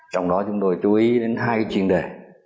trong đó chúng tôi chú ý đến hai chuyên đề